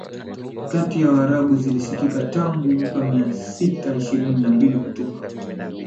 kati ya Waarabu zilisikika tangu mwaka Mia sita ishirini na mbili kutoka